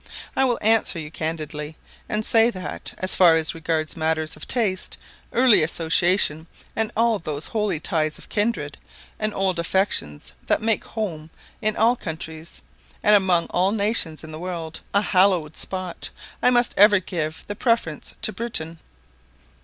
I will answer you candidly, and say that, as far as regards matters of taste, early association, and all those holy ties of kindred, and old affections that make "home" in all countries, and among all nations in the world, a hallowed spot, I must ever give the preference to Britain.